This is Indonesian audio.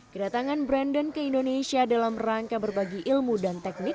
kedatangan brandon ke indonesia dalam rangka berbagi ilmu dan teknik